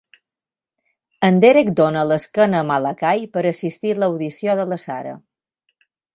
En Derek dóna l'esquena a Malakai per assistir a l'audició de la Sara.